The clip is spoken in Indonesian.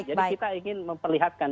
jadi kita ingin memperlihatkan